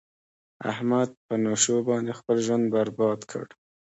احمد په نشو باندې خپل ژوند برباد کړ.